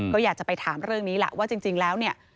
ก็อยากจะไปถามเรื่องนี้แหละว่าจริงแล้วเนี่ย